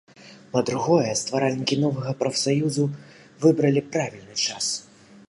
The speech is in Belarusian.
Па-другое, стваральнікі новага прафсаюзу выбралі правільны час.